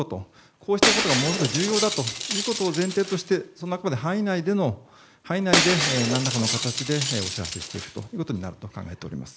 こうしたことがものすごく重要だということを前提としてその範囲内で、何らかの形でお知らせしていくことになると考えております。